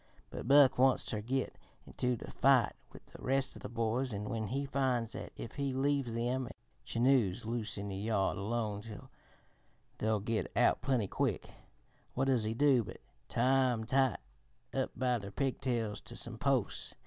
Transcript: But Buck wants ter git into the fight with the rest of the boys, an' when he finds that if he leaves them Chinos loose in the yard alone they'll git out plenty quick, what does he do but tie 'em tight up by their pigtails to some posts.